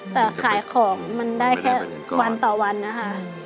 แต่ขายของมันได้แค่วันต่อวันนะคะ